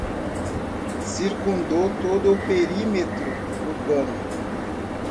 Circundou todo o perímetro urbano